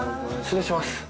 失礼します。